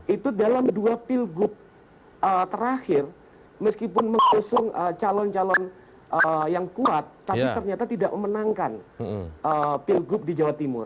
itu dalam dua pilgub terakhir meskipun mengusung calon calon yang kuat tapi ternyata tidak memenangkan pilgub di jawa timur